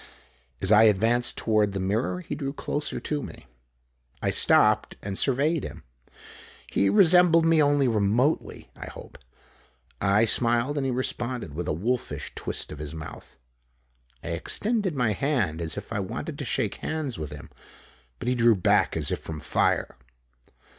As I advanced toward the mirror he drew closer to me. I stopped and surveyed him. He resembled me only remotely I hope. I smiled, and he responded with a wolfish twist of his mouth. I extended my hand as if I wanted to shake hands with him, but he drew back as if from fire.